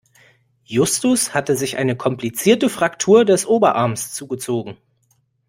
Justus hatte sich eine komplizierte Fraktur des Oberarms zugezogen.